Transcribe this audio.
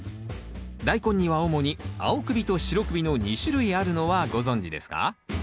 ダイコンには主に青首と白首の２種類あるのはご存じですか？